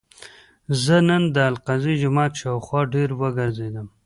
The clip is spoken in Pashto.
زه نن د الاقصی جومات شاوخوا ډېر وګرځېدم.